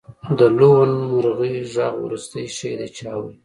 د لوون مرغۍ غږ وروستی شی دی چې اورئ